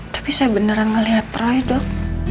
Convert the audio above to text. tapi saya beneran ngeliat roy dok